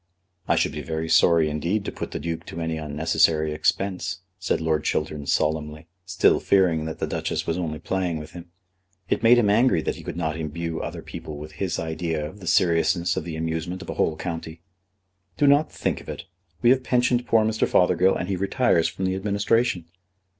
"I should be very sorry indeed to put the Duke to any unnecessary expense," said Lord Chiltern solemnly, still fearing that the Duchess was only playing with him. It made him angry that he could not imbue other people with his idea of the seriousness of the amusement of a whole county. "Do not think of it. We have pensioned poor Mr. Fothergill, and he retires from the administration."